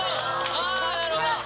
あなるほど。